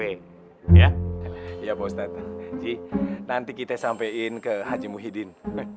ya pak ustadz ji nanti kita sampein ke haji muhyiddin